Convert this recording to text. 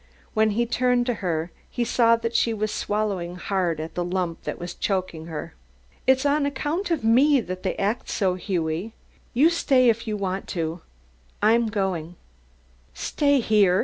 When he turned to her, he saw that she was swallowing hard at the lump that was choking her. "It's on account of me that they act so, Hughie! You stay if you want to; I'm going." "Stay here?"